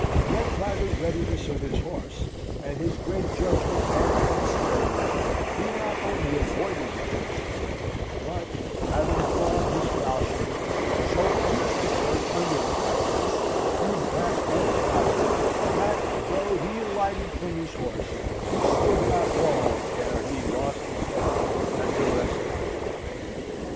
Yet, by the readinesse of his horse, and his great judgment and dexteritie, he not only avoided the Turke's blows, but, having drawn his falchion, so pierced the Turke under the cutlets, through back and body, that though hee alighted from his horse, he stood not long ere hee lost his head as the rest had done.